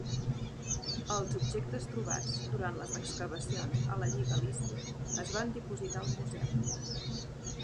Els objectes trobats durant les excavacions a la Lliga Lícia es van dipositar al museu.